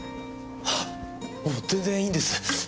あっもう全然いいんです。